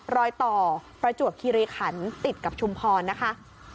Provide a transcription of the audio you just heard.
รอยต่อประจวบคิริขันติดกับชุมพรนะคะ